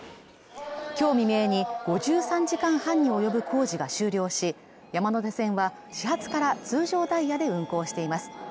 今日未明に５３時間半に及ぶ工事が終了し山手線は始発から通常ダイヤで運行しています